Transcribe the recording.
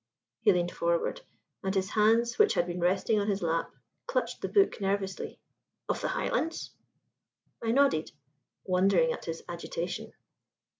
He leaned forward, and his hands, which had been resting on his lap, clutched the book nervously. "Of the Highlands?" I nodded, wondering at his agitation.